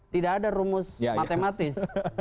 tidak ada rumus matematis